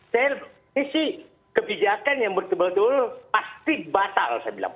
saya isi kebijakan yang berkebetulan pasti batal saya bilang